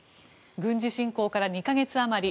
軍事侵攻から２か月余り。